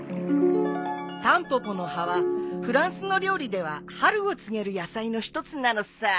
タンポポの葉はフランスの料理では春を告げる野菜の一つなのさ。